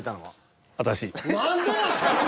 何でなんすか！